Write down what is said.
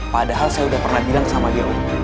padahal saya udah pernah bilang sama dia om